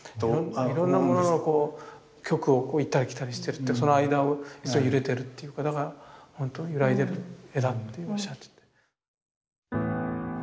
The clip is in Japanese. いろんなもののこう極を行ったり来たりしてるってその間を揺れてるっていうかだからほんとゆらいでる絵だっておっしゃってて。